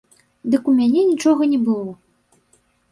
Дык у мяне нічога не было!